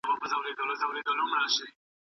څېړونکو د زړه خطر یاد کړ.